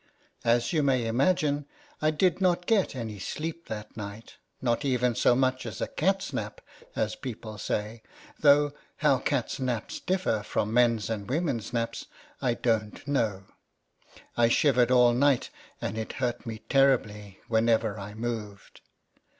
As you may imagine, I did not get any sleep that night, not even so much as a cat's nap, as people say, though how cat's naps differ from men's and women's naps, I don't know. I shivered all night, and it hurt me terribly whenever I moved.